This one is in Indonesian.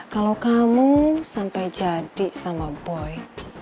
kalau kamu sampai jadi sama boy